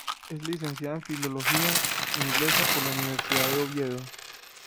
Es licenciada en Filología Inglesa por la Universidad de Oviedo.